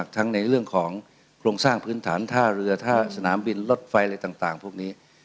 ทั้งในเรื่องของโครงสร้างพื้นฐานท่าเรือท่าสนามบินรถไฟอะไรต่างพวกนี้